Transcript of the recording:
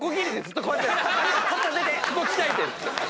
ここ鍛えて。